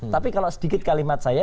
tapi kalau sedikit kalimat saya